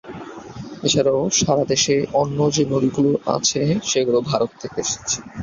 এছাড়া সারা দেশে অন্য যে নদীগুলো আছে সেগুলো ভারত থেকে এসেছে।